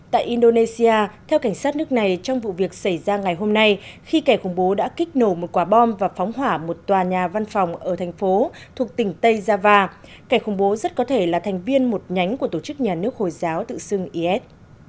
tại indonesia theo cảnh sát nước này trong vụ việc xảy ra ngày hôm nay khi kẻ khủng bố đã kích nổ một quả bom và phóng hỏa một tòa nhà văn phòng ở thành phố thuộc tỉnh tây java kẻ khủng bố rất có thể là thành viên một nhánh của tổ chức nhà nước hồi giáo tự xưng is